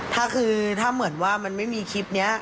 ถ้าคือถ้าเหมือนว่ามันไม่มีคลิปนี้